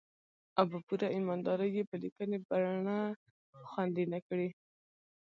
او په پوره ايمان دارۍ يې په ليکني بنه خوندي نه کړي.